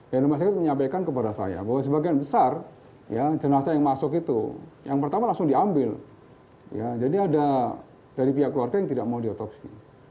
ya rumah sakit menyampaikan kepada saya bahwa sebagian besar jenazah yang masuk itu yang pertama langsung diambil jadi ada dari pihak keluarga yang tidak mau diotopsi